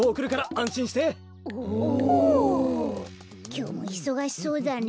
きょうもいそがしそうだね。